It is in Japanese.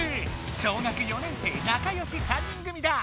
小学４年生仲よし３人組だ！